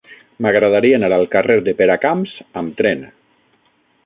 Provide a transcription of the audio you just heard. M'agradaria anar al carrer de Peracamps amb tren.